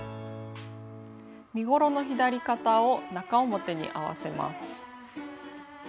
身ごろの左肩を中表に合わせます。